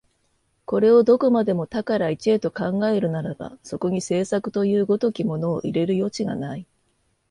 これをどこまでも多から一へと考えるならば、そこに製作という如きものを入れる余地がない。